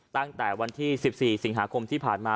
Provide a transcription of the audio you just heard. ตั้งแต่วันที่๑๔สิงหาคมที่ผ่านมา